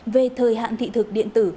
về thời hạn thị thực điện tử